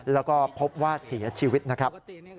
แล้วก็พบว่าเสียชีวิตนะครับ